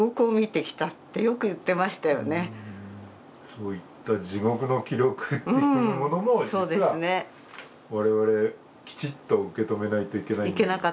そういった地獄の記録というものも実は、我々きちっと受け止めないといけない。